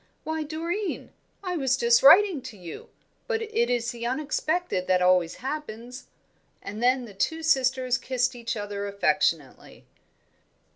"Why, Doreen, I was just writing to you; but it is the unexpected that always happens." And then the two sisters kissed each other affectionately.